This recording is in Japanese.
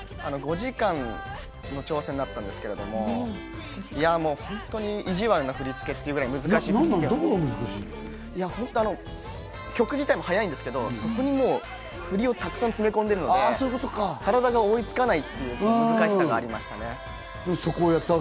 ５時間の挑戦だったんですけど、本当に意地悪な振り付けっていうぐらい難しくて、曲自体も速いんですけど、そこにフリをたくさん詰め込んでいるので体が追いつかないという難しさがありました。